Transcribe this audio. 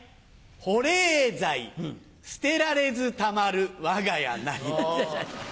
保冷剤捨てられずたまる我が家なり。